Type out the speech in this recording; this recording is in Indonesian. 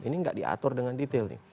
ini tidak diatur dengan detail